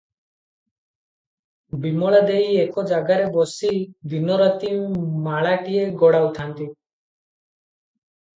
ବିମଳା ଦେଈ ଏକ ଜାଗାରେ ବସି ଦିନ ରାତି ମାଳାଟିଏ ଗଡ଼ାଉଥାନ୍ତି ।